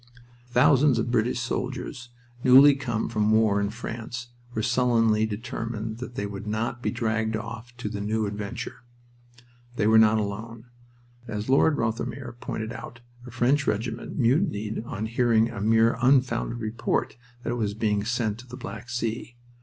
Thousands of British soldiers newly come from war in France were sullenly determined that they would not be dragged off to the new adventure. They were not alone. As Lord Rothermere pointed out, a French regiment mutinied on hearing a mere unfounded report that it was being sent to the Black Sea.